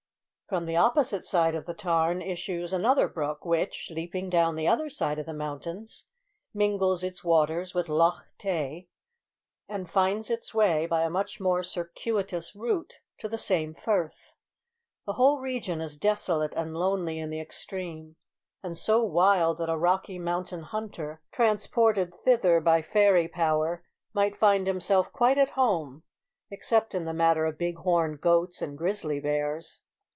From the opposite side of the tarn issues another brook, which, leaping down the other side of the mountains, mingles its waters with Loch Tay, and finds its way, by a much more circuitous route, to the same firth. The whole region is desolate and lonely in the extreme, and so wild that a Rocky Mountain hunter, transported thither by fairy power, might find himself quite at home, except in the matter of big horned goats and grisly bears.